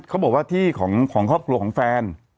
เขาบอกว่าที่ของครอบครัวของแฟน